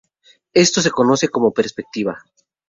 Esto se conoce como perspectiva.